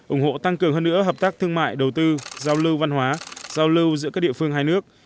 ủng hộ tăng cường hơn nữa hợp tác thương mại đầu tư giao lưu văn hóa giao lưu giữa các địa phương hai nước